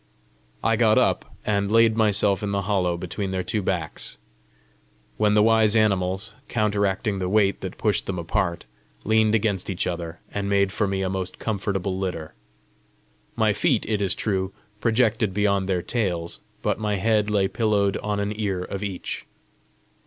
I got up, and laid myself in the hollow between their two backs; when the wise animals, counteracting the weight that pushed them apart, leaned against each other, and made for me a most comfortable litter. My feet, it is true, projected beyond their tails, but my head lay pillowed on an ear of each.